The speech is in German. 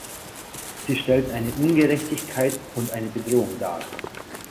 Sie stellt eine Ungerechtigkeit und eine Bedrohung dar.